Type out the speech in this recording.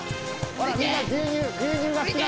ほらみんな牛乳牛乳が好きな子！